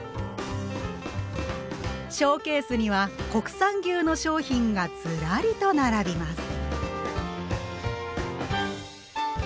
ショーケースには国産牛の商品がずらりと並びます。